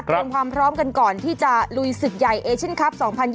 เตรียมความพร้อมกันก่อนที่จะลุยศึกใหญ่เอเชนครับ